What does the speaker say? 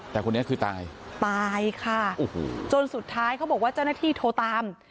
แต่คนนี้คือตายตายค่ะโอ้โหจนสุดท้ายเขาบอกว่าเจ้าหน้าที่โทรตาม